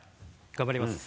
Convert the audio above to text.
頑張ります。